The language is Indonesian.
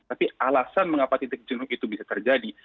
tapi alasan mengapa titik jenuh itu bisa terjadi